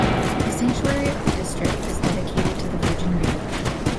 The sanctuary of the district is dedicated to the Virgin Mary.